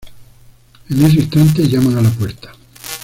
En ese instante llaman a la puerta.